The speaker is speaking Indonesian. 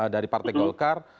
dari partai golkar